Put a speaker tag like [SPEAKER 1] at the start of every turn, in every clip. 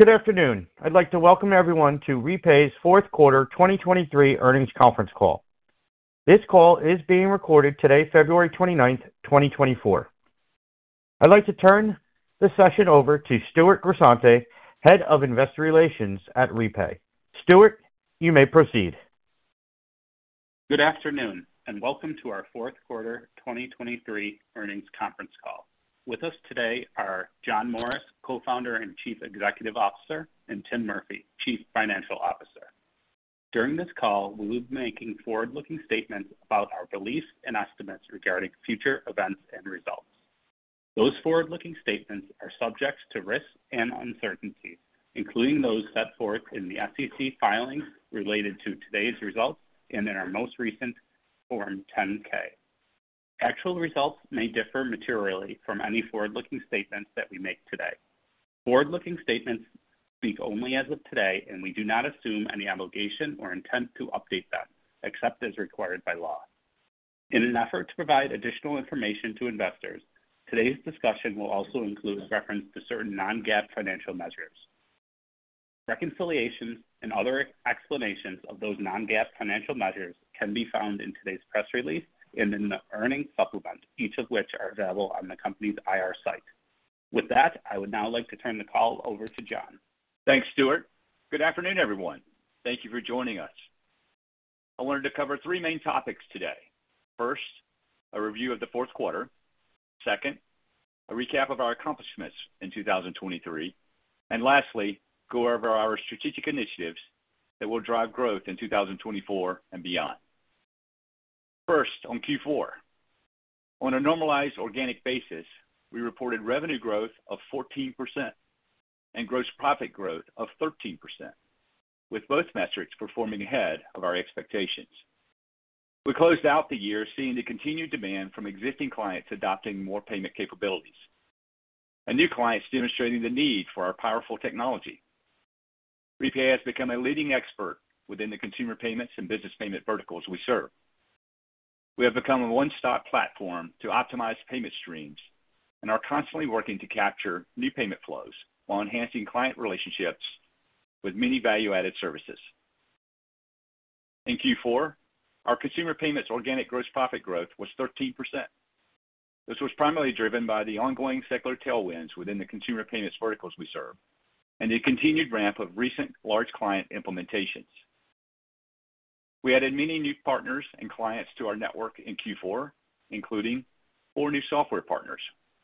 [SPEAKER 1] Good afternoon. I'd like to welcome everyone to Repay's Fourth Quarter 2023 Earnings Conference Call. This call is being recorded today, 29 February 2024. I'd like to turn the session over to Stewart Grisante, Head of Investor Relations at Repay. Stewart, you may proceed.
[SPEAKER 2] Good afternoon, and Welcome to our Fourth Quarter 2023 Earnings Conference Call. With us today are John Morris, Co-founder and Chief Executive Officer, and Tim Murphy, Chief Financial Officer. During this call, we'll be making forward-looking statements about our beliefs and estimates regarding future events and results. Those forward-looking statements are subject to risks and uncertainties, including those set forth in the SEC filings related to today's results and in our most recent Form 10-K. Actual results may differ materially from any forward-looking statements that we make today. Forward-looking statements speak only as of today, and we do not assume any obligation or intent to update them, except as required by law. In an effort to provide additional information to investors, today's discussion will also include reference to certain non-GAAP financial measures. Reconciliations and other explanations of those non-GAAP financial measures can be found in today's press release and in the earnings supplement, each of which are available on the company's IR site. With that, I would now like to turn the call over to John.
[SPEAKER 1] Thanks, Stewart. Good afternoon, everyone. Thank you for joining us. I wanted to cover three main topics today. First, a review of the fourth quarter. Second, a recap of our accomplishments in 2023. And lastly, go over our strategic initiatives that will drive growth in 2024 and beyond. First, on Q4. On a normalized organic basis, we reported revenue growth of 14% and gross profit growth of 13%, with both metrics performing ahead of our expectations. We closed out the year seeing the continued demand from existing clients adopting more payment capabilities. New clients demonstrating the need for our powerful technology. REPAY has become a leading expert within the consumer payments and business payment verticals we serve. We have become a one-stop platform to optimize payment streams and are constantly working to capture new payment flows while enhancing client relationships with many value-added services. In Q4, our consumer payments organic gross profit growth was 13%. This was primarily driven by the ongoing secular tailwinds within the consumer payments verticals we serve, and the continued ramp of recent large client implementations. We added many new partners and clients to our network in Q4, including 4 new software partners,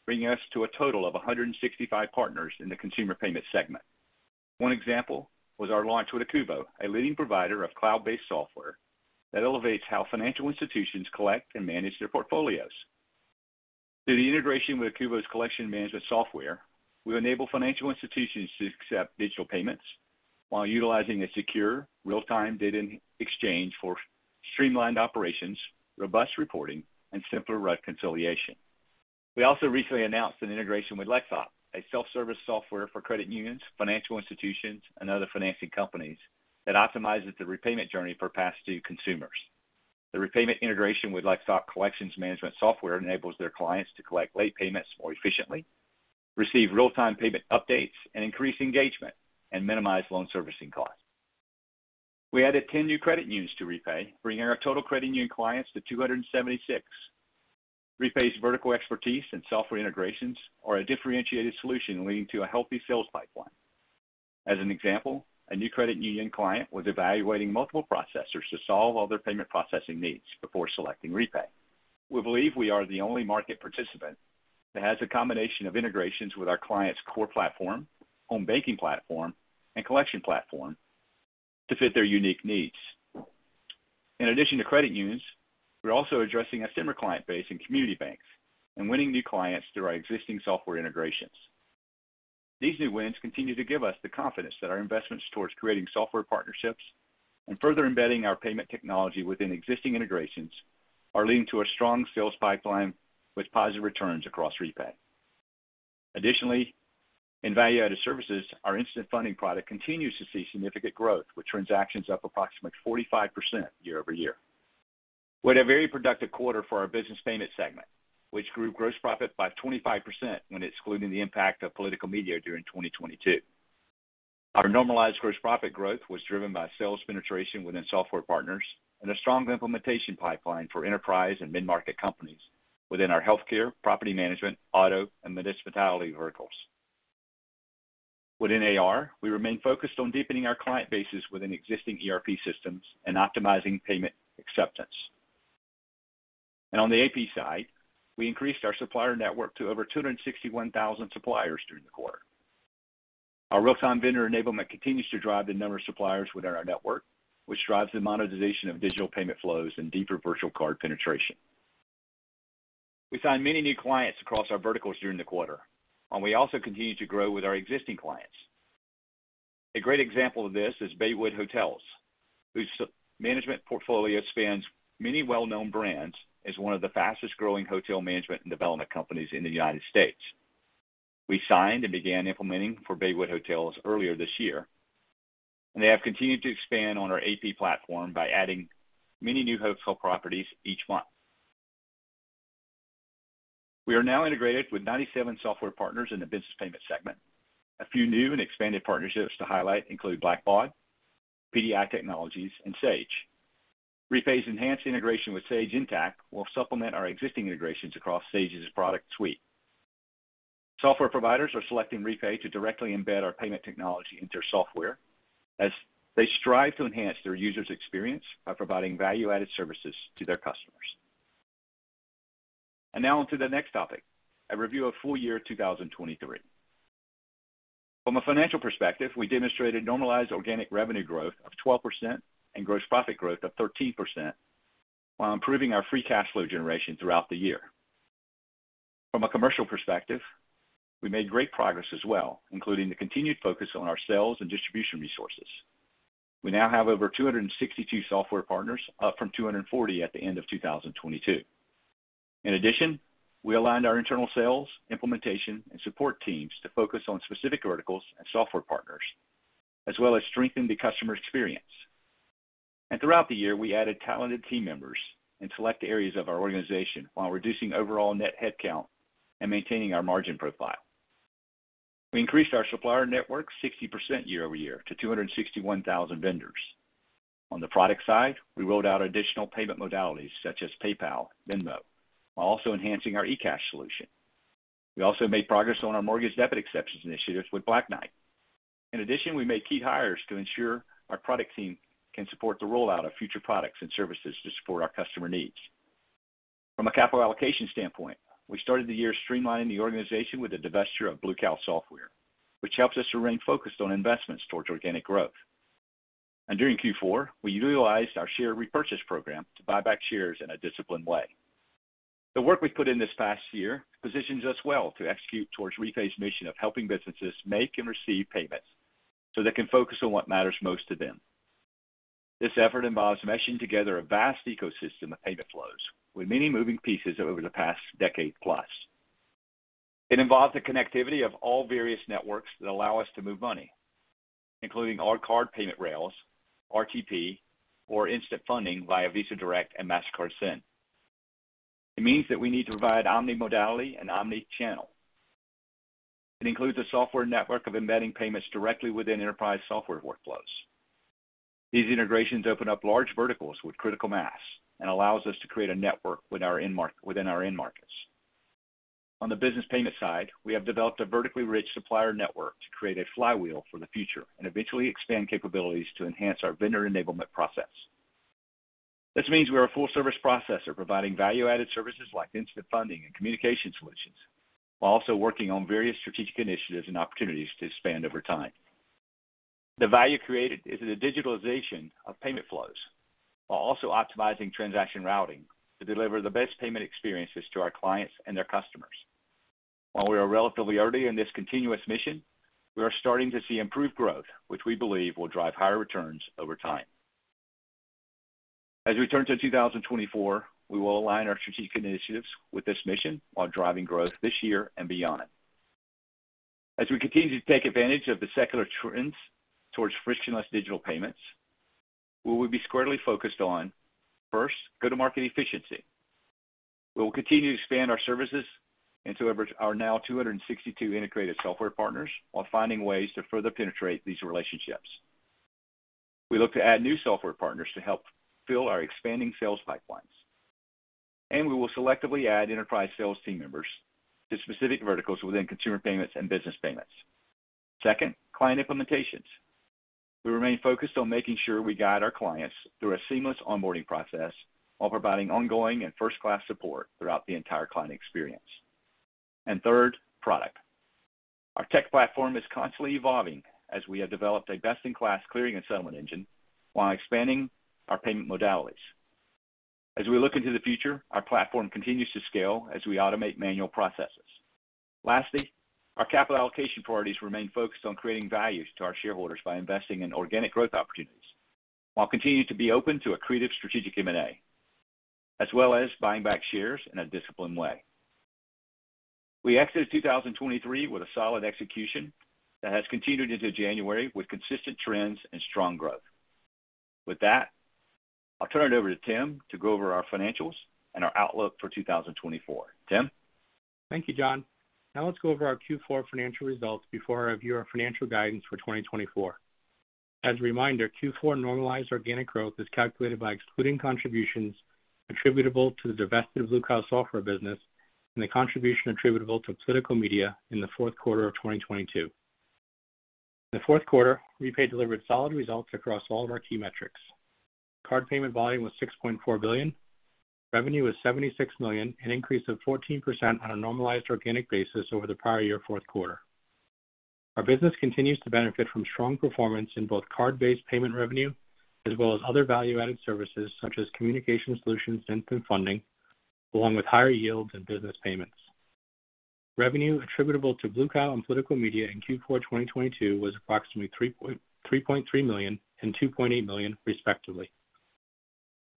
[SPEAKER 1] bringing us to a total of 165 partners in the consumer payment segment. One example was our launch with Akuvo, a leading provider of cloud-based software that elevates how financial institutions collect and manage their portfolios. Through the integration with Akuvo's collection management software, we enable financial institutions to accept digital payments while utilizing a secure, real-time data in exchange for streamlined operations, robust reporting, and simpler reconciliation. We also recently announced an integration with Lexop, a self-service software for credit unions, financial institutions, and other financing companies that optimizes the repayment journey for past-due consumers. The repayment integration with Lexop collections management software enables their clients to collect late payments more efficiently, receive real-time payment updates, and increase engagement and minimize loan servicing costs. We added 10 new credit unions to REPAY, bringing our total credit union clients to 276. REPAY's vertical expertise and software integrations are a differentiated solution, leading to a healthy sales pipeline. As an example, a new credit union client was evaluating multiple processors to solve all their payment processing needs before selecting REPAY. We believe we are the only market participant that has a combination of integrations with our client's core platform, home banking platform, and collection platform to fit their unique needs. In addition to credit unions, we're also addressing a similar client base in community banks and winning new clients through our existing software integrations. These new wins continue to give us the confidence that our investments towards creating software partnerships and further embedding our payment technology within existing integrations are leading to a strong sales pipeline with positive returns across REPAY. Additionally, in value-added services, our instant funding product continues to see significant growth, with transactions up approximately 45% year-over-year. We had a very productive quarter for our business payments segment, which grew gross profit by 25% when excluding the impact of political media during 2022. Our normalized gross profit growth was driven by sales penetration within software partners and a strong implementation pipeline for enterprise and mid-market companies within our healthcare, property management, auto, and municipality verticals. Within AR, we remain focused on deepening our client bases within existing ERP systems and optimizing payment acceptance. On the AP side, we increased our supplier network to over 261,000 suppliers during the quarter. Our real-time vendor enablement continues to drive the number of suppliers within our network, which drives the monetization of digital payment flows and deeper virtual card penetration. We signed many new clients across our verticals during the quarter, and we also continued to grow with our existing clients. A great example of this is Baywood Hotels, whose management portfolio spans many well-known brands as one of the fastest-growing hotel management and development companies in the United States. We signed and began implementing for Baywood Hotels earlier this year, and they have continued to expand on our AP platform by adding many new hotel properties each month... We are now integrated with 97 software partners in the business payment segment. A few new and expanded partnerships to highlight include Blackbaud, PDI Technologies, and Sage. REPAY's enhanced integration with Sage Intacct will supplement our existing integrations across Sage's product suite. Software providers are selecting REPAY to directly embed our payment technology into their software, as they strive to enhance their users' experience by providing value-added services to their customers. Now on to the next topic, a review of full year 2023. From a financial perspective, we demonstrated normalized organic revenue growth of 12% and gross profit growth of 13%, while improving our free cash flow generation throughout the year. From a commercial perspective, we made great progress as well, including the continued focus on our sales and distribution resources. We now have over 262 software partners, up from 240 at the end of 2022. In addition, we aligned our internal sales, implementation, and support teams to focus on specific verticals and software partners, as well as strengthen the customer experience. Throughout the year, we added talented team members in select areas of our organization, while reducing overall net headcount and maintaining our margin profile. We increased our supplier network 60% year-over-year to 261,000 vendors. On the product side, we rolled out additional payment modalities such as PayPal, Venmo, while also enhancing our eCash solution. We also made progress on our mortgage debit exceptions initiatives with Black Knight. In addition, we made key hires to ensure our product team can support the rollout of future products and services to support our customer needs. From a capital allocation standpoint, we started the year streamlining the organization with the divestiture of Blue Cow Software, which helps us to remain focused on investments towards organic growth. During Q4, we utilized our share repurchase program to buy back shares in a disciplined way. The work we've put in this past year positions us well to execute towards REPAY's mission of helping businesses make and receive payments, so they can focus on what matters most to them. This effort involves meshing together a vast ecosystem of payment flows with many moving pieces over the past decade plus. It involves the connectivity of all various networks that allow us to move money, including our card payment rails, RTP, or instant funding via Visa Direct and Mastercard Send. It means that we need to provide Omnimodality and Omnichannel. It includes a software network of embedding payments directly within enterprise software workflows. These integrations open up large verticals with critical mass and allows us to create a network with our end markets. On the business payment side, we have developed a vertically rich supplier network to create a flywheel for the future and eventually expand capabilities to enhance our vendor enablement process. This means we are a full-service processor, providing value-added services like instant funding and communication solutions, while also working on various strategic initiatives and opportunities to expand over time. The value created is in the digitalization of payment flows, while also optimizing transaction routing to deliver the best payment experiences to our clients and their customers. While we are relatively early in this continuous mission, we are starting to see improved growth, which we believe will drive higher returns over time. As we turn to 2024, we will align our strategic initiatives with this mission while driving growth this year and beyond. As we continue to take advantage of the secular trends towards frictionless digital payments, we will be squarely focused on, first, go-to-market efficiency. We will continue to expand our services and to leverage our now 262 integrated software partners, while finding ways to further penetrate these relationships. We look to add new software partners to help fill our expanding sales pipelines, and we will selectively add enterprise sales team members to specific verticals within consumer payments and business payments. Second, client implementations. We remain focused on making sure we guide our clients through a seamless onboarding process while providing ongoing and first-class support throughout the entire client experience. Third, product. Our tech platform is constantly evolving as we have developed a best-in-class clearing and settlement engine while expanding our payment modalities. As we look into the future, our platform continues to scale as we automate manual processes. Lastly, our capital allocation priorities remain focused on creating value to our shareholders by investing in organic growth opportunities, while continuing to be open to accretive strategic M&A, as well as buying back shares in a disciplined way. We exited 2023 with a solid execution that has continued into January with consistent trends and strong growth. With that, I'll turn it over to Tim to go over our financials and our outlook for 2024. Tim?
[SPEAKER 3] Thank you, John. Now let's go over our Q4 financial results before I review our financial guidance for 2024. As a reminder, Q4 normalized organic growth is calculated by excluding contributions attributable to the divested Blue Cow Software business and the contribution attributable to Political Media in the fourth quarter of 2022. In the fourth quarter, REPAY delivered solid results across all of our key metrics. Card payment volume was $6.4 billion, revenue was $76 million, an increase of 14% on a normalized organic basis over the prior year fourth quarter. Our business continues to benefit from strong performance in both card-based payment revenue as well as other value-added services, such as communication solutions and instant funding, along with higher yields and business payments. Revenue attributable to Blue Cow and Political Media in Q4 2022 was approximately $3.3 million and $2.8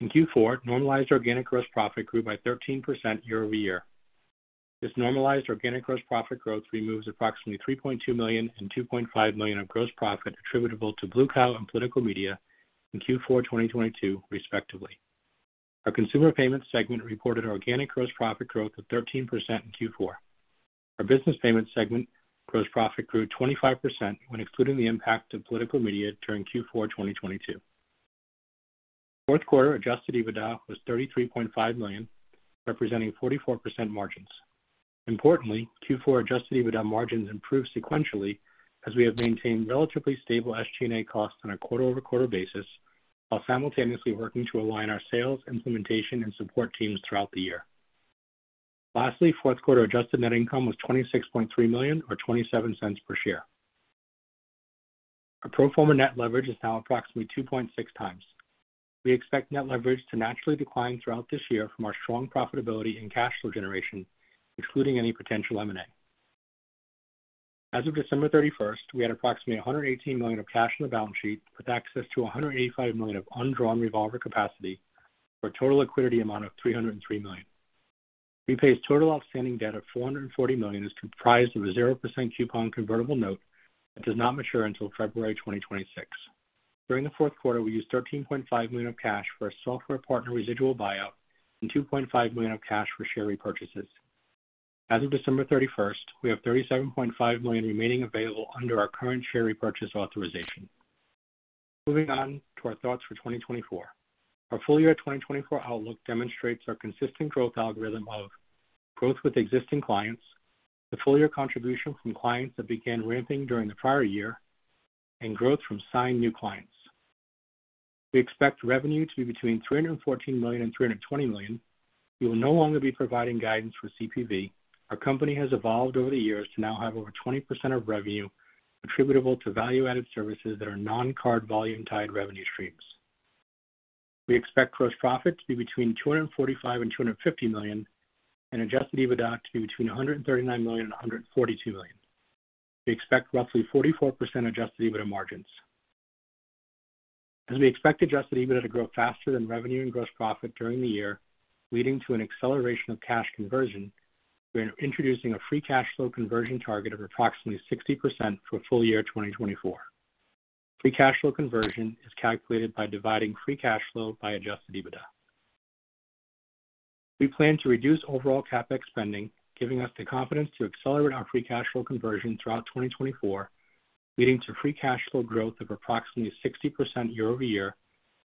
[SPEAKER 3] million, respectively. In Q4, normalized organic gross profit grew by 13% year-over-year. This normalized organic gross profit growth removes approximately $3.2 million and $2.5 million of gross profit attributable to Blue Cow and Political Media in Q4 2022, respectively. Our consumer payments segment reported organic gross profit growth of 13% in Q4. Our business payments segment gross profit grew 25% when excluding the impact of political media during Q4 2022. Fourth quarter Adjusted EBITDA was $33.5 million, representing 44% margins. Importantly, Q4 Adjusted EBITDA margins improved sequentially as we have maintained relatively stable SG&A costs on a quarter-over-quarter basis, while simultaneously working to align our sales, implementation, and support teams throughout the year. Lastly, fourth quarter adjusted net income was $26.3 million, or $0.27 per share. Our pro forma net leverage is now approximately 2.6x. We expect net leverage to naturally decline throughout this year from our strong profitability and cash flow generation, excluding any potential M&A. As of December 31, we had approximately $118 million of cash on the balance sheet, with access to $185 million of undrawn revolver capacity for a total liquidity amount of $303 million. Repay's total outstanding debt of $440 million is comprised of a 0% coupon convertible note that does not mature until February 2026. During the fourth quarter, we used $13.5 million of cash for a software partner residual buyout and $2.5 million of cash for share repurchases. As of December 31, we have $37.5 million remaining available under our current share repurchase authorization. Moving on to our thoughts for 2024. Our full-year 2024 outlook demonstrates our consistent growth algorithm of growth with existing clients, the full-year contribution from clients that began ramping during the prior year, and growth from signed new clients. We expect revenue to be between $314 million and $320 million. We will no longer be providing guidance for CPV. Our company has evolved over the years to now have over 20% of revenue attributable to value-added services that are non-card, volume-tied revenue streams. We expect gross profit to be between $245 million and $250 million, and Adjusted EBITDA to be between $139 million and $142 million. We expect roughly 44% Adjusted EBITDA margins. As we expect Adjusted EBITDA to grow faster than revenue and gross profit during the year, leading to an acceleration of cash conversion, we're introducing a free cash flow conversion target of approximately 60% for full year 2024. Free cash flow conversion is calculated by dividing free cash flow by Adjusted EBITDA. We plan to reduce overall CapEx spending, giving us the confidence to accelerate our free cash flow conversion throughout 2024, leading to free cash flow growth of approximately 60% year-over-year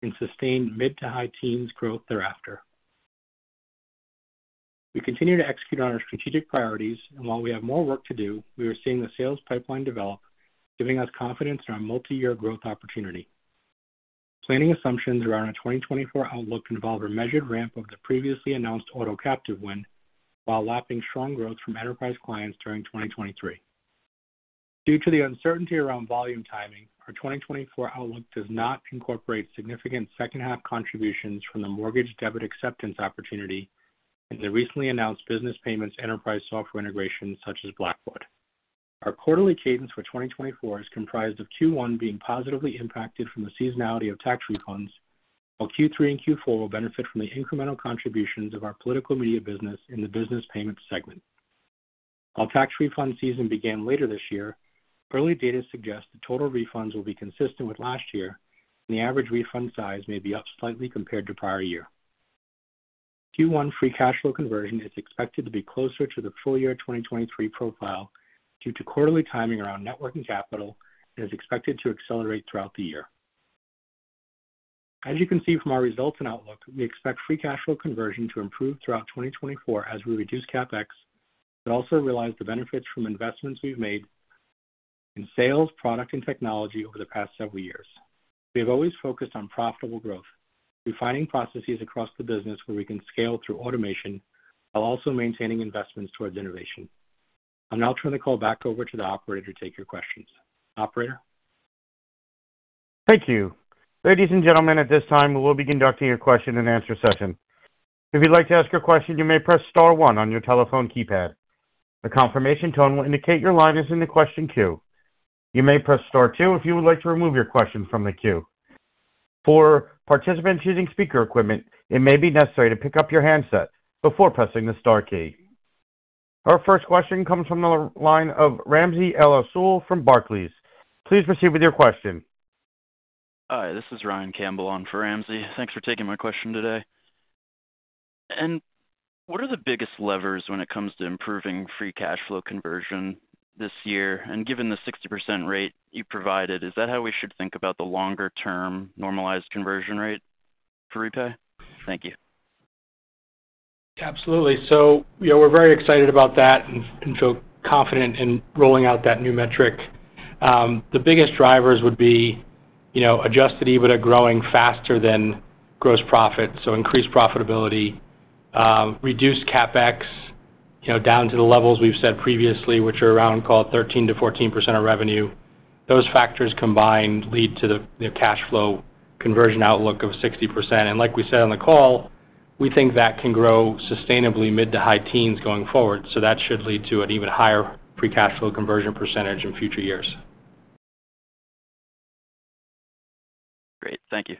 [SPEAKER 3] and sustained mid- to high-teens growth thereafter. We continue to execute on our strategic priorities, and while we have more work to do, we are seeing the sales pipeline develop, giving us confidence in our multi-year growth opportunity. Planning assumptions around our 2024 outlook involve a measured ramp of the previously announced auto captive win, while lapping strong growth from enterprise clients during 2023. Due to the uncertainty around volume timing, our 2024 outlook does not incorporate significant second half contributions from the mortgage debit acceptance opportunity and the recently announced business payments enterprise software integrations such as Blackbaud. Our quarterly cadence for 2024 is comprised of Q1 being positively impacted from the seasonality of tax refunds, while Q3 and Q4 will benefit from the incremental contributions of our political media business in the business payments segment. While tax refund season began later this year, early data suggests that total refunds will be consistent with last year, and the average refund size may be up slightly compared to prior year. Q1 free cash flow conversion is expected to be closer to the full year 2023 profile due to quarterly timing around network and capital and is expected to accelerate throughout the year. As you can see from our results and outlook, we expect free cash flow conversion to improve throughout 2024 as we reduce CapEx, but also realize the benefits from investments we've made in sales, product, and technology over the past several years. We have always focused on profitable growth, refining processes across the business where we can scale through automation while also maintaining investments towards innovation. I'll now turn the call back over to the operator to take your questions. Operator?
[SPEAKER 4] Thank you. Ladies and gentlemen, at this time, we will be conducting a question-and-answer session. If you'd like to ask a question, you may press star one on your telephone keypad. The confirmation tone will indicate your line is in the question queue. You may press star two if you would like to remove your question from the queue. For participants using speaker equipment, it may be necessary to pick up your handset before pressing the star key. Our first question comes from the line of Ramsey El-Assal from Barclays. Please proceed with your question.
[SPEAKER 5] Hi, this is Ryan Campbell on for Ramzi. Thanks for taking my question today. What are the biggest levers when it comes to improving free cash flow conversion this year? Given the 60% rate you provided, is that how we should think about the longer-term normalized conversion rate for REPAY? Thank you.
[SPEAKER 3] Absolutely. So, you know, we're very excited about that and feel confident in rolling out that new metric. The biggest drivers would be, you know, adjusted EBITDA growing faster than gross profit, so increased profitability, reduced CapEx, you know, down to the levels we've said previously, which are around call it 13%-14% of revenue. Those factors combined lead to the cash flow conversion outlook of 60%. And like we said on the call, we think that can grow sustainably mid- to high-teens going forward, so that should lead to an even higher free cash flow conversion percentage in future years.
[SPEAKER 5] Great. Thank you.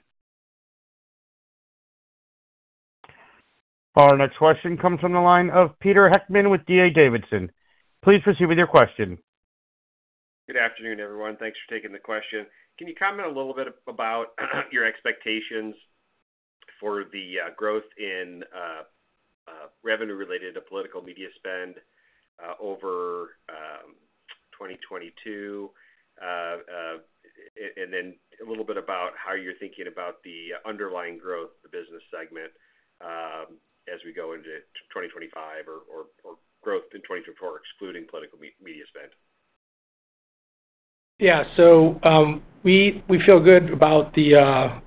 [SPEAKER 4] Our next question comes from the line of Peter Heckman with D.A. Davidson. Please proceed with your question.
[SPEAKER 6] Good afternoon, everyone. Thanks for taking the question. Can you comment a little bit about your expectations for the growth in revenue related to political media spend over 2022? And then a little bit about how you're thinking about the underlying growth, the business segment, as we go into 2025 or growth in 2024, excluding political media spend.
[SPEAKER 3] Yeah. So, we feel good about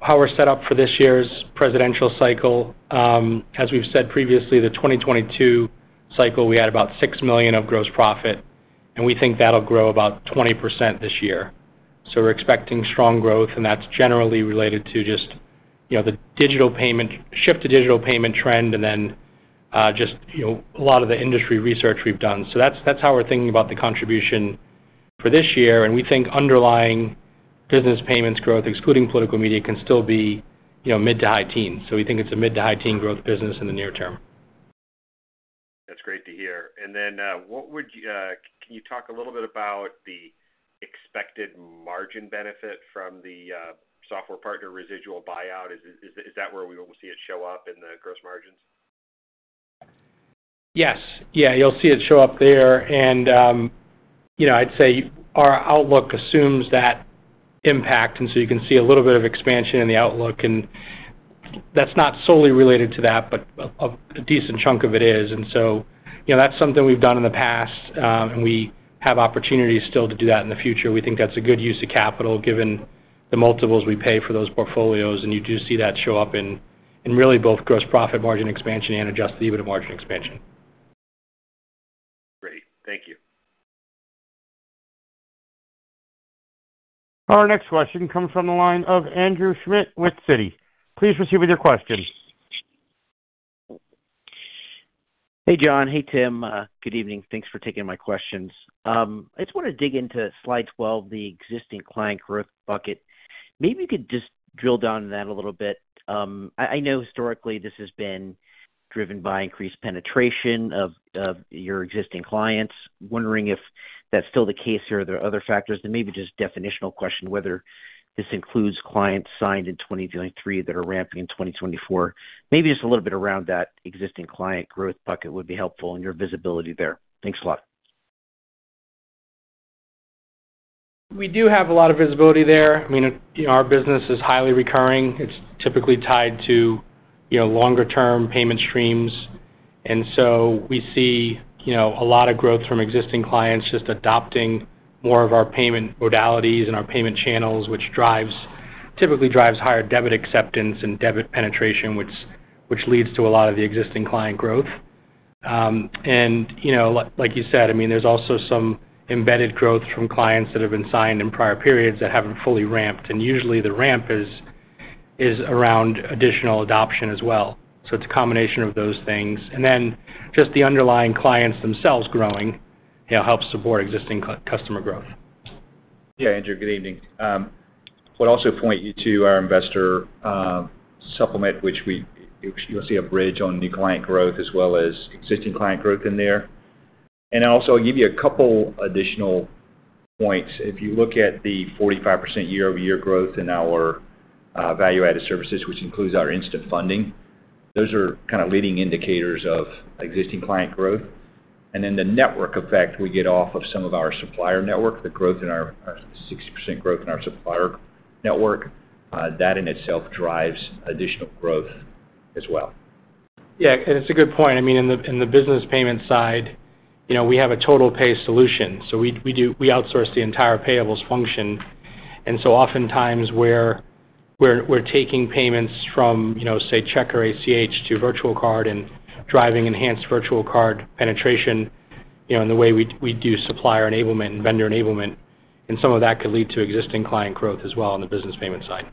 [SPEAKER 3] how we're set up for this year's presidential cycle. As we've said previously, the 2022 cycle, we had about $6 million of gross profit, and we think that'll grow about 20% this year. So we're expecting strong growth, and that's generally related to just, you know, the digital payment shift to digital payment trend and then, just, you know, a lot of the industry research we've done. So that's how we're thinking about the contribution for this year, and we think underlying business payments growth, excluding political media, can still be, you know, mid- to high-teens. So we think it's a mid- to high-teens growth business in the near term.
[SPEAKER 6] That's great to hear. Then, what would you. Can you talk a little bit about the expected margin benefit from the software partner residual buyout? Is that where we will see it show up in the gross margins?
[SPEAKER 3] Yes. Yeah, you'll see it show up there. And, you know, I'd say our outlook assumes that impact, and so you can see a little bit of expansion in the outlook, and that's not solely related to that, but a decent chunk of it is. And so, you know, that's something we've done in the past, and we have opportunities still to do that in the future. We think that's a good use of capital, given the multiples we pay for those portfolios, and you do see that show up in really both gross profit margin expansion and Adjusted EBITDA margin expansion.
[SPEAKER 6] Great. Thank you.
[SPEAKER 4] Our next question comes from the line of Andrew Schmidt with Citi. Please proceed with your question.
[SPEAKER 7] Hey, John. Hey, Tim. Good evening. Thanks for taking my questions. I just wanna dig into slide 12, the existing client growth bucket. Maybe you could just drill down on that a little bit. I know historically, this has been driven by increased penetration of your existing clients. Wondering if that's still the case, or are there other factors? And maybe just definitional question, whether this includes clients signed in 2023 that are ramping in 2024. Maybe just a little bit around that existing client growth bucket would be helpful and your visibility there. Thanks a lot.
[SPEAKER 3] We do have a lot of visibility there. I mean, you know, our business is highly recurring. It's typically tied to, you know, longer-term payment streams. And so we see, you know, a lot of growth from existing clients just adopting more of our payment modalities and our payment channels, which typically drives higher debit acceptance and debit penetration, which leads to a lot of the existing client growth. And you know, like you said, I mean, there's also some embedded growth from clients that have been signed in prior periods that haven't fully ramped, and usually, the ramp is around additional adoption as well. So it's a combination of those things. And then just the underlying clients themselves growing, you know, helps support existing customer growth.
[SPEAKER 1] Yeah, Andrew, good evening. Would also point you to our investor supplement, which you'll see a bridge on new client growth as well as existing client growth in there. And I'll also give you a couple additional points. If you look at the 45% year-over-year growth in our value-added services, which includes our instant funding, those are kind of leading indicators of existing client growth. And then the network effect we get off of some of our supplier network, the growth in our 60% growth in our supplier network, that in itself drives additional growth as well.
[SPEAKER 3] Yeah, and it's a good point. I mean, in the business payment side, you know, we have a TotalPay solution, so we outsource the entire payables function. And so oftentimes, we're taking payments from, you know, say, check or ACH to virtual card and driving enhanced virtual card penetration, you know, in the way we do supplier enablement and vendor enablement, and some of that could lead to existing client growth as well on the business payment side.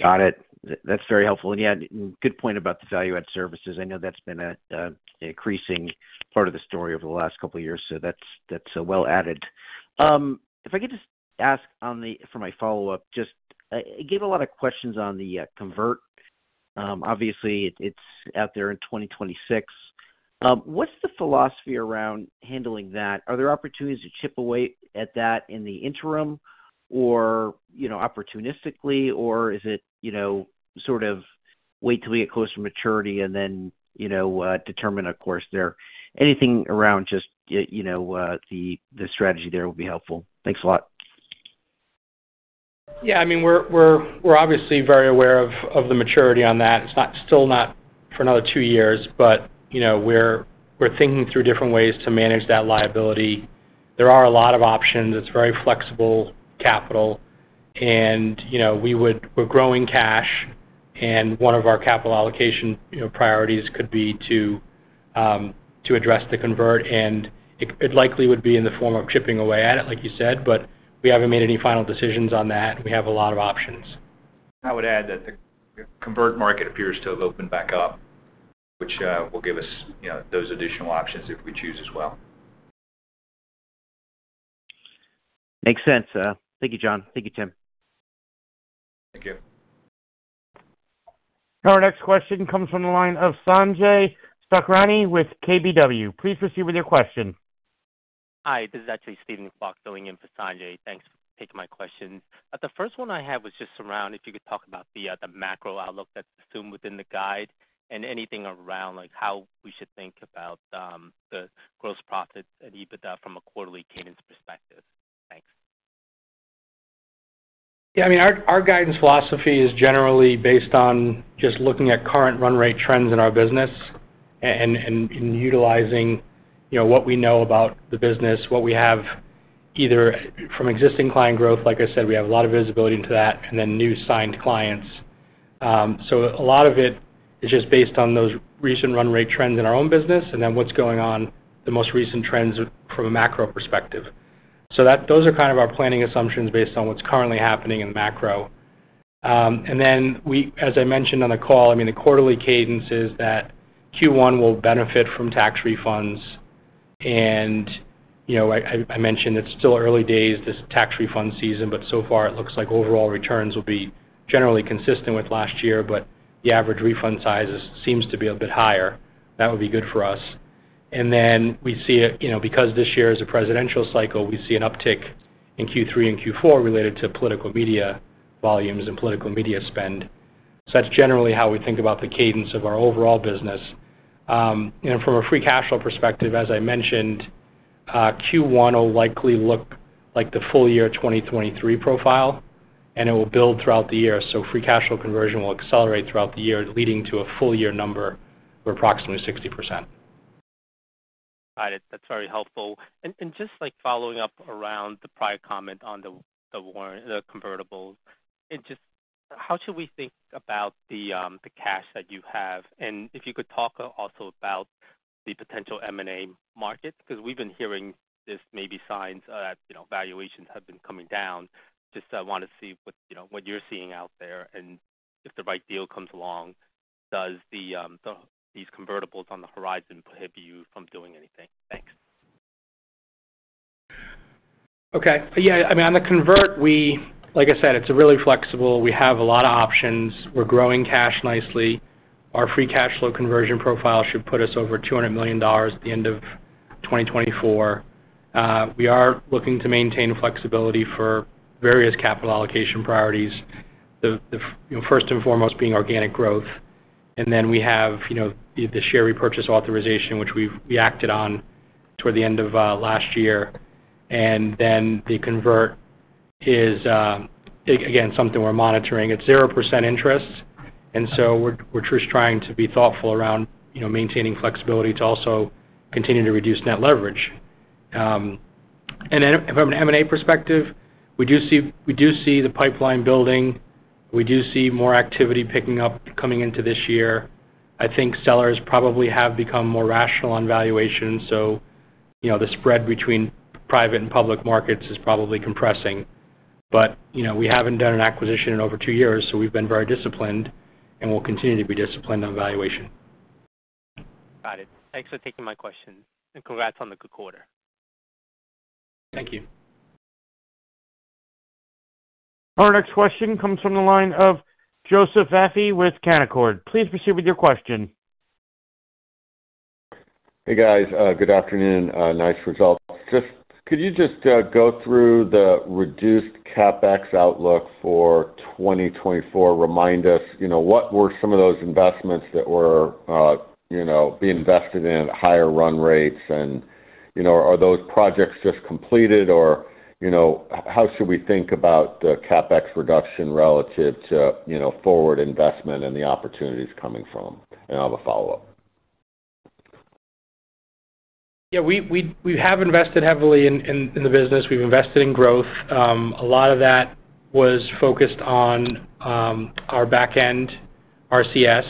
[SPEAKER 7] Got it. That's very helpful. And, yeah, good point about the value-add services. I know that's been a, an increasing part of the story over the last couple of years, so that's, that's, well added. If I could just ask on the for my follow-up, just, I get a lot of questions on the, convert. Obviously, it's out there in 2026. What's the philosophy around handling that? Are there opportunities to chip away at that in the interim or, you know, opportunistically, or is it, you know, sort of wait till we get closer to maturity and then, you know, determine a course there? Anything around just, you know, the, the strategy there will be helpful. Thanks a lot.
[SPEAKER 3] Yeah, I mean, we're obviously very aware of the maturity on that. It's still not for another two years, but you know, we're thinking through different ways to manage that liability. There are a lot of options. It's very flexible capital, and you know, we're growing cash, and one of our capital allocation priorities could be to address the convert, and it likely would be in the form of chipping away at it, like you said, but we haven't made any final decisions on that. We have a lot of options.
[SPEAKER 1] I would add that the convertible market appears to have opened back up, which will give us, you know, those additional options if we choose as well.
[SPEAKER 7] Makes sense. Thank you, John. Thank you, Tim.
[SPEAKER 3] Thank you.
[SPEAKER 4] Our next question comes from the line of Sanjay Sakrani with KBW. Please proceed with your question.
[SPEAKER 8] Hi, this is actually Steven Clark filling in for Sanjay. Thanks for taking my question. The first one I had was just around if you could talk about the macro outlook that's assumed within the guide and anything around, like, how we should think about the gross profits and EBITDA from a quarterly cadence perspective. Thanks.
[SPEAKER 3] Yeah, I mean, our guidance philosophy is generally based on just looking at current run rate trends in our business and utilizing, you know, what we know about the business, what we have, either from existing client growth, like I said, we have a lot of visibility into that, and then new signed clients. So a lot of it is just based on those recent run rate trends in our own business, and then what's going on the most recent trends from a macro perspective. So that those are kind of our planning assumptions based on what's currently happening in the macro. And then we-- as I mentioned on the call, I mean, the quarterly cadence is that Q1 will benefit from tax refunds. And, you know, I mentioned it's still early days, this tax refund season, but so far it looks like overall returns will be generally consistent with last year, but the average refund sizes seems to be a bit higher. That would be good for us. And then we see it, you know, because this year is a presidential cycle, we see an uptick in Q3 and Q4 related to political media volumes and political media spend. So that's generally how we think about the cadence of our overall business. And from a free cash flow perspective, as I mentioned, Q1 will likely look like the full year 2023 profile, and it will build throughout the year. So free cash flow conversion will accelerate throughout the year, leading to a full year number of approximately 60%.
[SPEAKER 8] Got it. That's very helpful. And just, like, following up around the prior comment on the convertibles, and just how should we think about the cash that you have? And if you could talk also about the potential M&A market, because we've been hearing this maybe signs that, you know, valuations have been coming down. Just I wanna see what, you know, what you're seeing out there, and if the right deal comes along, does these convertibles on the horizon prohibit you from doing anything? Thanks.
[SPEAKER 3] Okay. Yeah, I mean, on the convert, we, like I said, it's really flexible. We have a lot of options. We're growing cash nicely. Our free cash flow conversion profile should put us over $200 million at the end of 2024. We are looking to maintain flexibility for various capital allocation priorities. The, you know, first and foremost, being organic growth. And then we have, you know, the share repurchase authorization, which we've reacted on toward the end of last year. And then the convert is again something we're monitoring. It's 0% interest, and so we're just trying to be thoughtful around, you know, maintaining flexibility to also continue to reduce net leverage. And then from an M&A perspective, we do see the pipeline building. We do see more activity picking up coming into this year. I think sellers probably have become more rational on valuation, so, you know, the spread between private and public markets is probably compressing. But, you know, we haven't done an acquisition in over two years, so we've been very disciplined, and we'll continue to be disciplined on valuation.
[SPEAKER 8] Got it. Thanks for taking my question, and congrats on the good quarter.
[SPEAKER 3] Thank you.
[SPEAKER 4] Our next question comes from the line of Joseph Vafi with Canaccord. Please proceed with your question.
[SPEAKER 9] Hey, guys, good afternoon. Nice results. Just could you just go through the reduced CapEx outlook for 2024? Remind us, you know, what were some of those investments that were, you know, being invested in at higher run rates, and, you know, are those projects just completed? Or, you know, how should we think about the CapEx reduction relative to, you know, forward investment and the opportunities coming from? And I'll have a follow-up.
[SPEAKER 3] Yeah, we have invested heavily in the business. We've invested in growth. A lot of that was focused on our back end, RCS,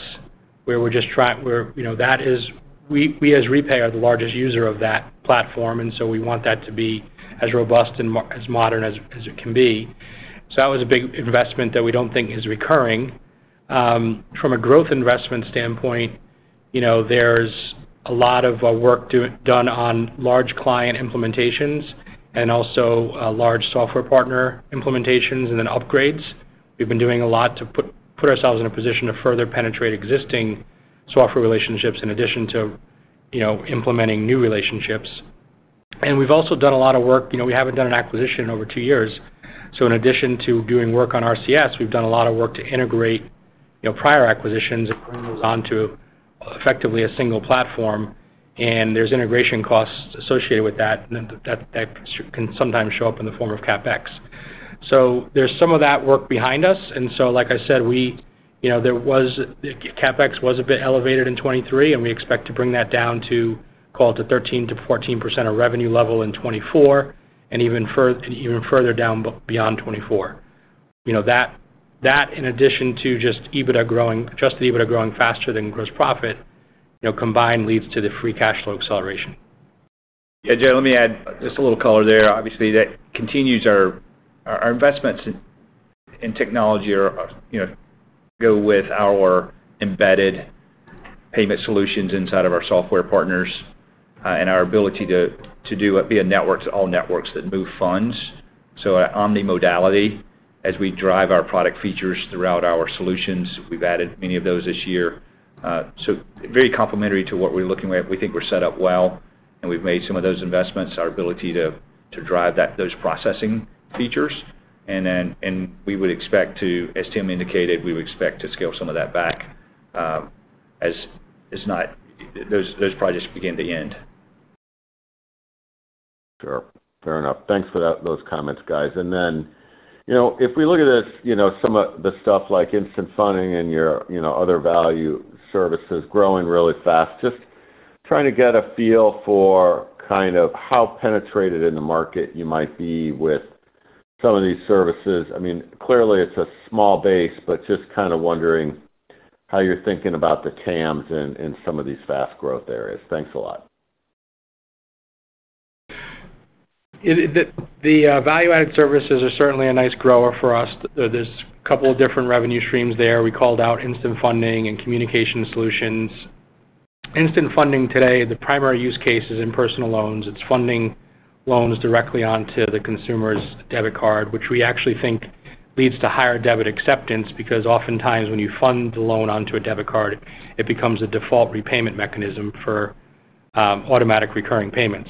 [SPEAKER 3] where we're just where, you know, that is we as REPAY are the largest user of that platform, and so we want that to be as robust and as modern as it can be. So that was a big investment that we don't think is recurring. From a growth investment standpoint, you know, there's a lot of work done on large client implementations and also large software partner implementations and then upgrades. We've been doing a lot to put ourselves in a position to further penetrate existing software relationships in addition to, you know, implementing new relationships. And we've also done a lot of work... You know, we haven't done an acquisition in over 2 years, so in addition to doing work on RCS, we've done a lot of work to integrate, you know, prior acquisitions onto effectively a single platform, and there's integration costs associated with that, and then that, that can sometimes show up in the form of CapEx. So there's some of that work behind us, and so like I said, we, you know, there was, CapEx was a bit elevated in 2023, and we expect to bring that down to call it to 13%-14% of revenue level in 2024, and even further down beyond 2024. You know, that, that in addition to just EBITDA growing, adjusted EBITDA growing faster than gross profit, you know, combined leads to the free cash flow acceleration.
[SPEAKER 1] Yeah, Joe, let me add just a little color there. Obviously, that continues our our investments in technology are, you know, go with our embeddedpayment solutions inside of our software partners, and our ability to be a network to all networks that move funds. So our omnimodality, as we drive our product features throughout our solutions, we've added many of those this year. So very complementary to what we're looking at. We think we're set up well, and we've made some of those investments, our ability to drive those processing features. And then and we would expect to, as Tim indicated, we would expect to scale some of that back, as those projects begin to end.
[SPEAKER 9] Sure. Fair enough. Thanks for that, those comments, guys. And then, you know, if we look at this, you know, some of the stuff like instant funding and your, you know, other value services growing really fast, just trying to get a feel for kind of how penetrated in the market you might be with some of these services. I mean, clearly, it's a small base, but just kind of wondering how you're thinking about the TAMs in, in some of these fast growth areas. Thanks a lot.
[SPEAKER 3] The value-added services are certainly a nice grower for us. There's a couple of different revenue streams there. We called out instant funding and communication solutions. Instant funding today, the primary use case is in personal loans. It's funding loans directly onto the consumer's debit card, which we actually think leads to higher debit acceptance, because oftentimes when you fund the loan onto a debit card, it becomes a default repayment mechanism for automatic recurring payments.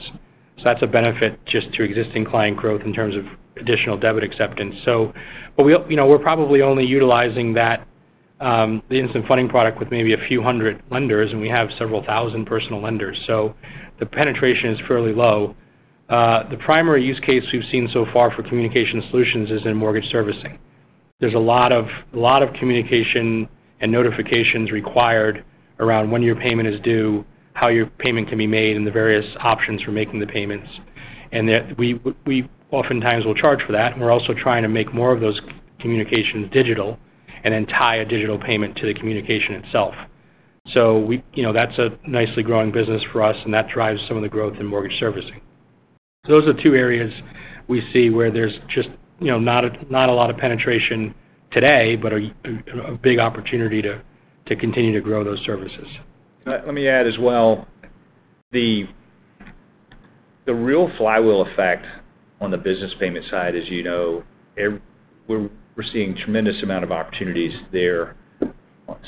[SPEAKER 3] So that's a benefit just to existing client growth in terms of additional debit acceptance. So but we you know, we're probably only utilizing that the instant funding product with maybe a few hundred lenders, and we have several thousand personal lenders, so the penetration is fairly low. The primary use case we've seen so far for communication solutions is in mortgage servicing. There's a lot of, a lot of communication and notifications required around when your payment is due, how your payment can be made, and the various options for making the payments. And that we oftentimes will charge for that, and we're also trying to make more of those communications digital and then tie a digital payment to the communication itself. So, you know, that's a nicely growing business for us, and that drives some of the growth in mortgage servicing. Those are two areas we see where there's just, you know, not a lot of penetration today, but a big opportunity to continue to grow those services.
[SPEAKER 1] Let me add as well, the real flywheel effect on the business payment side, as you know, we're seeing tremendous amount of opportunities there,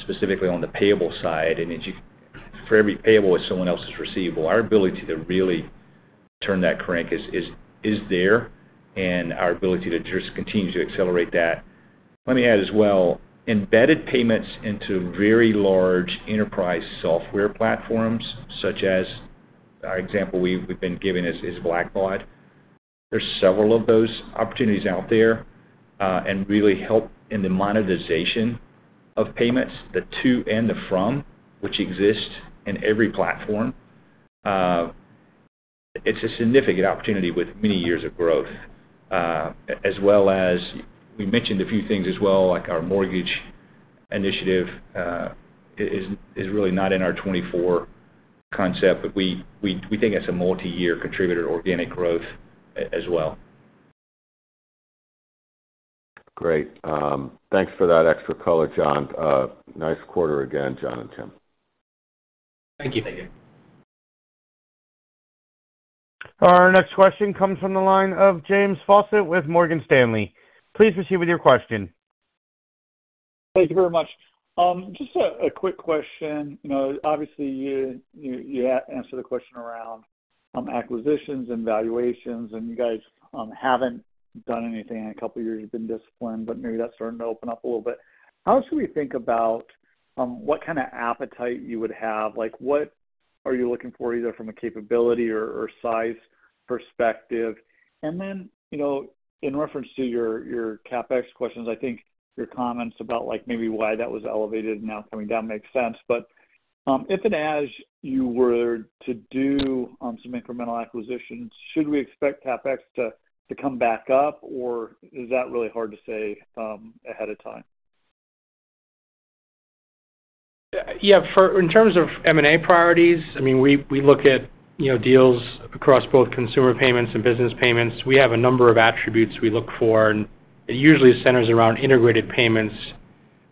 [SPEAKER 1] specifically on the payable side. And as you—for every payable is someone else's receivable. Our ability to really turn that crank is, is, is there, and our ability to just continue to accelerate that. Let me add as well, embedded payments into very large enterprise software platforms, such as our example we've been giving is, is Blackbaud. There's several of those opportunities out there, and really help in the monetization of payments, the to and the from, which exist in every platform. It's a significant opportunity with many years of growth. As well as we mentioned a few things as well, like our mortgage initiative is really not in our 2024 concept, but we think it's a multiyear contributor to organic growth as well.
[SPEAKER 9] Great. Thanks for that extra color, John. Nice quarter again, John and Tim.
[SPEAKER 3] Thank you.
[SPEAKER 1] Thank you.
[SPEAKER 4] Our next question comes from the line of James Faucette with Morgan Stanley. Please proceed with your question.
[SPEAKER 10] Thank you very much. Just a quick question. You know, obviously, you answered the question around acquisitions and valuations, and you guys haven't done anything in a couple of years. You've been disciplined, but maybe that's starting to open up a little bit. How should we think about what kind of appetite you would have? Like, what are you looking for, either from a capability or size perspective? And then, you know, in reference to your CapEx questions, I think your comments about, like, maybe why that was elevated and now coming down makes sense. But if and as you were to do some incremental acquisitions, should we expect CapEx to come back up, or is that really hard to say ahead of time?
[SPEAKER 3] Yeah, yeah, in terms of M&A priorities, I mean, we, we look at, you know, deals across both consumer payments and business payments. We have a number of attributes we look for, and it usually centers around integrated payments,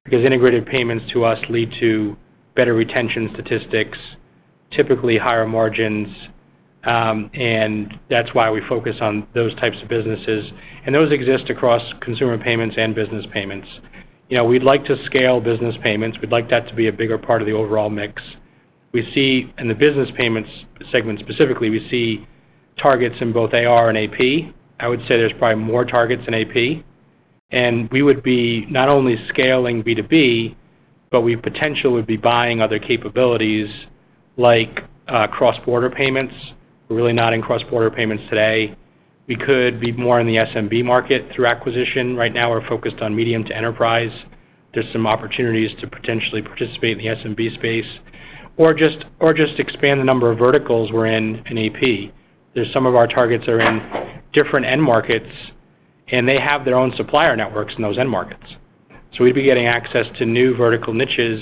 [SPEAKER 3] because integrated payments to us lead to better retention statistics, typically higher margins, and that's why we focus on those types of businesses. And those exist across consumer payments and business payments. You know, we'd like to scale business payments. We'd like that to be a bigger part of the overall mix. We see... in the business payments segment, specifically, we see targets in both AR and AP. I would say there's probably more targets in AP. And we would be not only scaling B2B, but we potentially would be buying other capabilities like cross-border payments. We're really not in cross-border payments today. We could be more in the SMB market through acquisition. Right now, we're focused on medium to enterprise. There's some opportunities to potentially participate in the SMB space or just, or just expand the number of verticals we're in, in AP. There's some of our targets are in different end markets, and they have their own supplier networks in those end markets. So we'd be getting access to new vertical niches,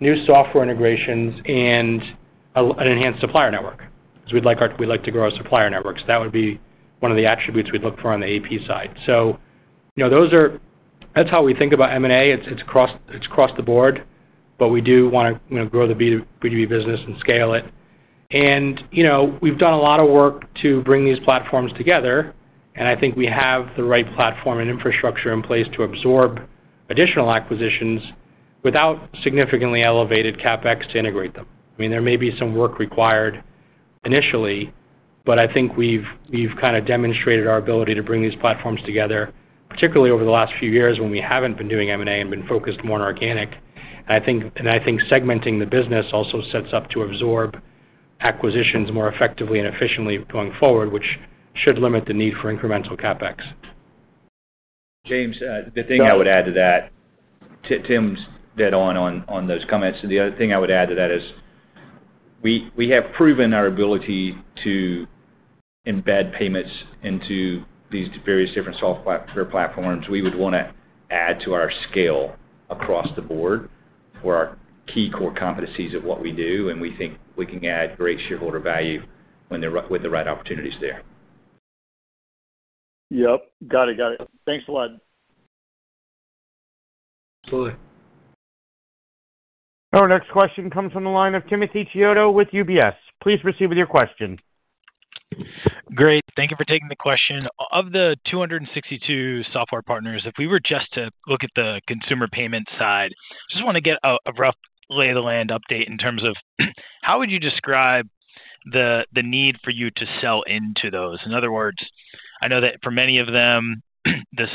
[SPEAKER 3] new software integrations, and an enhanced supplier network, because we'd like to grow our supplier networks. That would be one of the attributes we'd look for on the AP side. So, you know, those are. That's how we think about M&A. It's, it's across, it's across the board, but we do wanna, you know, grow the B2B business and scale it. You know, we've done a lot of work to bring these platforms together, and I think we have the right platform and infrastructure in place to absorb additional acquisitions without significantly elevated CapEx to integrate them. I mean, there may be some work required initially, but I think we've kind of demonstrated our ability to bring these platforms together, particularly over the last few years when we haven't been doing M&A and been focused more on organic. And I think segmenting the business also sets up to absorb acquisitions more effectively and efficiently going forward, which should limit the need for incremental CapEx.
[SPEAKER 1] James, the thing I would add to that, Tim's dead on, on those comments. The other thing I would add to that is we, we have proven our ability to embed payments into these various different software platforms. We would wanna add to our scale across the board for our key core competencies of what we do, and we think we can add great shareholder value when with the right opportunities there.
[SPEAKER 10] Yep. Got it. Got it. Thanks a lot.
[SPEAKER 1] Absolutely.
[SPEAKER 4] Our next question comes from the line of Timothy Chiodo with UBS. Please proceed with your question.
[SPEAKER 11] Great. Thank you for taking the question. Of the 262 software partners, if we were just to look at the consumer payment side, just wanna get a, a rough lay of the land update in terms of how would you describe the, the need for you to sell into those? In other words, I know that for many of them, the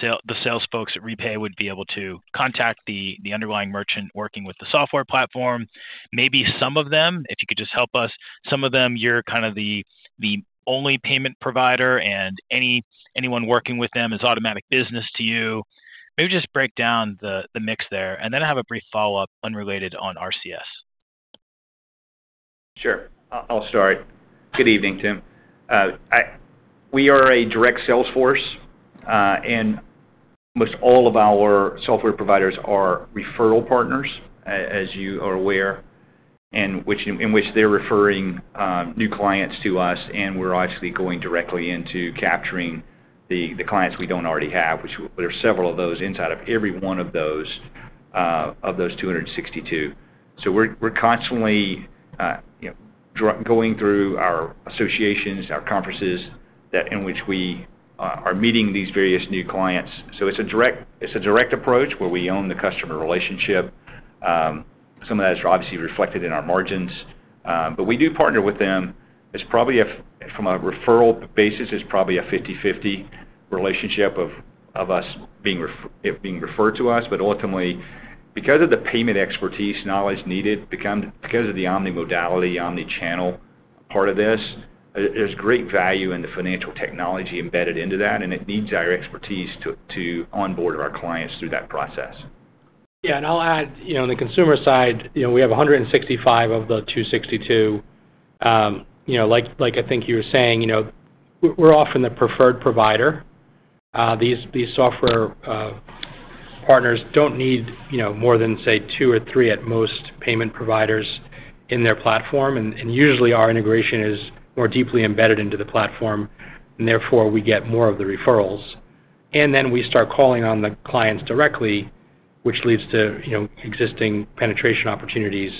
[SPEAKER 11] sales folks at Repay would be able to contact the, the underlying merchant working with the software platform. Maybe some of them, if you could just help us, some of them, you're kind of the, the only payment provider and anyone working with them is automatic business to you. Maybe just break down the, the mix there, and then I have a brief follow-up unrelated on RCS.
[SPEAKER 1] Sure. I'll start. Good evening, Tim. We are a direct sales force, and almost all of our software providers are referral partners, as you are aware, in which they're referring new clients to us, and we're obviously going directly into capturing the clients we don't already have, which there are several of those inside of every one of those 262. So we're constantly going through our associations, our conferences in which we are meeting these various new clients. So it's a direct approach where we own the customer relationship. Some of that is obviously reflected in our margins, but we do partner with them. It's probably, from a referral basis, it's probably a 50/50 relationship of us being, it being referred to us, but ultimately, because of the payment expertise knowledge needed, because of the omnimodality, omnichannel part of this, there's great value in the financial technology embedded into that, and it needs our expertise to onboard our clients through that process.
[SPEAKER 3] Yeah, and I'll add, you know, on the consumer side, you know, we have 165 of the 262. You know, like I think you were saying, you know, we're often the preferred provider. These software partners don't need, you know, more than, say, two or three, at most, payment providers in their platform. And usually, our integration is more deeply embedded into the platform, and therefore, we get more of the referrals. And then we start calling on the clients directly, which leads to, you know, existing penetration opportunities.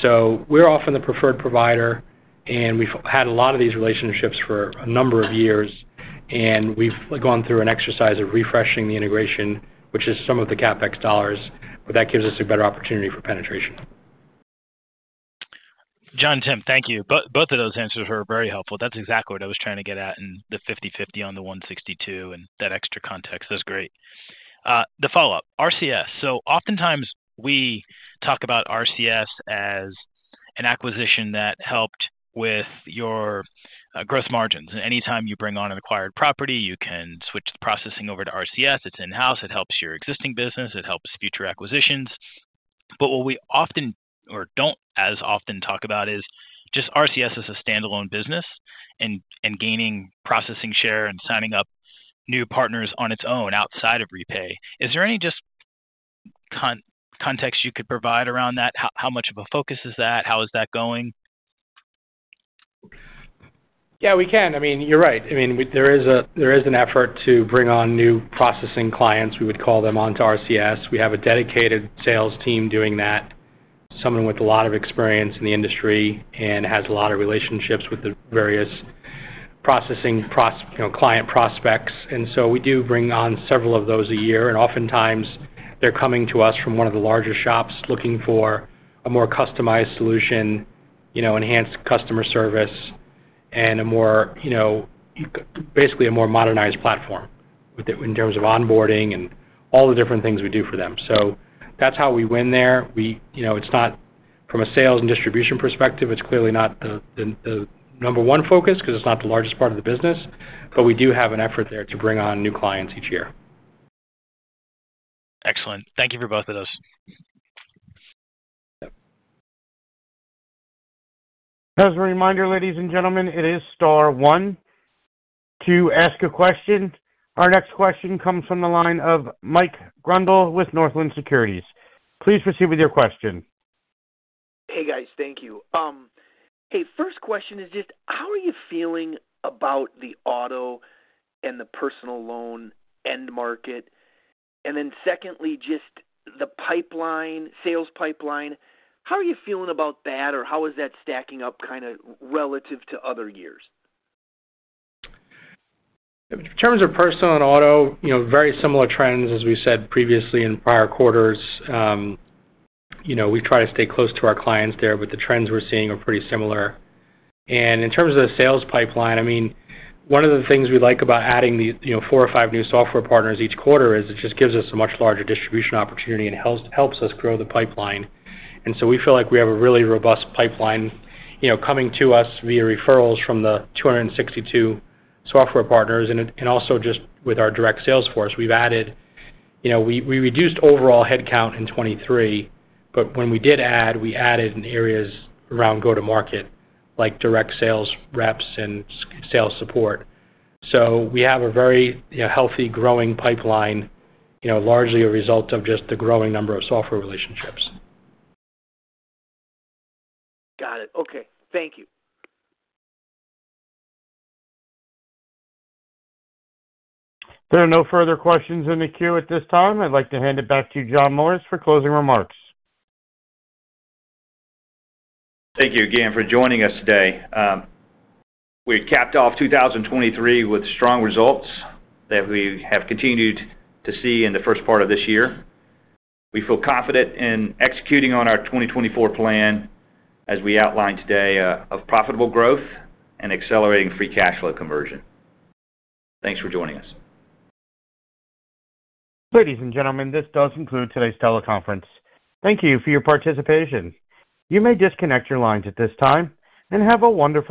[SPEAKER 3] So we're often the preferred provider, and we've had a lot of these relationships for a number of years, and we've gone through an exercise of refreshing the integration, which is some of the CapEx dollars, but that gives us a better opportunity for penetration.
[SPEAKER 11] John, Tim, thank you. Both of those answers are very helpful. That's exactly what I was trying to get at, and the 50/50 on the 162, and that extra context, that's great. The follow-up, RCS. So oftentimes, we talk about RCS as an acquisition that helped with your growth margins. Anytime you bring on an acquired property, you can switch the processing over to RCS. It's in-house, it helps your existing business, it helps future acquisitions. But what we often or don't as often talk about is just RCS as a standalone business and gaining processing share and signing up new partners on its own outside of REPAY. Is there any just context you could provide around that? How much of a focus is that? How is that going?
[SPEAKER 3] Yeah, we can. I mean, you're right. I mean, there is an effort to bring on new processing clients, we would call them, onto RCS. We have a dedicated sales team doing that, someone with a lot of experience in the industry and has a lot of relationships with the various processing, you know, client prospects. And so we do bring on several of those a year, and oftentimes, they're coming to us from one of the larger shops, looking for a more customized solution You know, enhanced customer service and a more, you know, basically, a more modernized platform, in terms of onboarding and all the different things we do for them. So that's how we win there. We, you know, it's not from a sales and distribution perspective, it's clearly not the number one focus 'cause it's not the largest part of the business, but we do have an effort there to bring on new clients each year.
[SPEAKER 11] Excellent. Thank you for both of those.
[SPEAKER 1] Yep.
[SPEAKER 4] As a reminder, ladies and gentlemen, it is star one to ask a question. Our next question comes from the line of Mike Grondahl with Northland Securities. Please proceed with your question.
[SPEAKER 12] Hey, guys, thank you. Hey, first question is just how are you feeling about the auto and the personal loan end market? And then secondly, just the pipeline, sales pipeline, how are you feeling about that? Or how is that stacking up kind of relative to other years?
[SPEAKER 3] In terms of personal and auto, you know, very similar trends as we said previously in prior quarters. You know, we try to stay close to our clients there, but the trends we're seeing are pretty similar. And in terms of the sales pipeline, I mean, one of the things we like about adding these, you know, 4 or 5 new software partners each quarter is it just gives us a much larger distribution opportunity and helps us grow the pipeline. And so we feel like we have a really robust pipeline, you know, coming to us via referrals from the 262 software partners and also just with our direct sales force. We've added. You know, we reduced overall headcount in 2023, but when we did add, we added in areas around go-to-market, like direct sales reps and sales support. So we have a very, you know, healthy growing pipeline, you know, largely a result of just the growing number of software relationships.
[SPEAKER 12] Got it. Okay. Thank you.
[SPEAKER 4] There are no further questions in the queue at this time. I'd like to hand it back to you, John Morris, for closing remarks.
[SPEAKER 1] Thank you again for joining us today. We capped off 2023 with strong results that we have continued to see in the first part of this year. We feel confident in executing on our 2024 plan, as we outlined today, of profitable growth and accelerating free cash flow conversion. Thanks for joining us.
[SPEAKER 4] Ladies and gentlemen, this does conclude today's teleconference. Thank you for your participation. You may disconnect your lines at this time, and have a wonderful day.